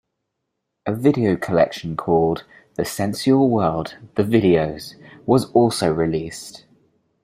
A video collection called "The Sensual World: The Videos" was also released.